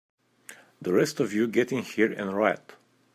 The rest of you get in here and riot!